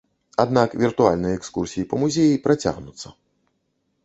Аднак віртуальныя экскурсіі па музеі працягнуцца.